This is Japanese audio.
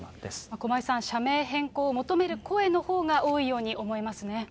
駒井さん、社名変更を求める声のほうが多いように思いますね。